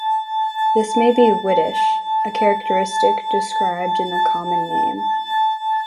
This may be whitish, a characteristic described in the common name.